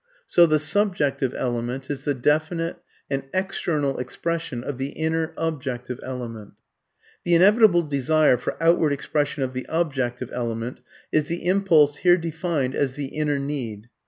So the subjective element is the definite and external expression of the inner, objective element. The inevitable desire for outward expression of the OBJECTIVE element is the impulse here defined as the "inner need."